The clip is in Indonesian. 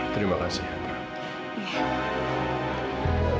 terima kasih yara